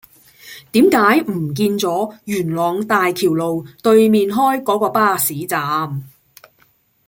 點解唔見左元朗大橋路對開嗰個巴士站